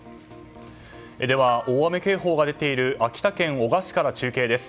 では大雨警報が出ている秋田県男鹿市から中継です。